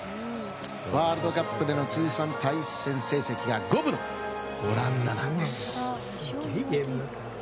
ワールドカップでの通算対戦成績が五分のオランダなんです。